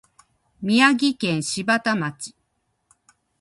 宮城県柴田町